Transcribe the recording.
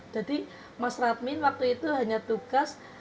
jadi mas radmin waktu itu hanya tugas